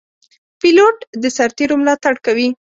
پیلوټ د سرتېرو ملاتړ کوي.